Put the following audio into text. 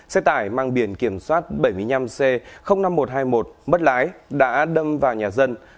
xe tải mang biển kiểm soát bảy mươi năm c năm nghìn một trăm hai mươi một mất lái đã đâm vào nhà dân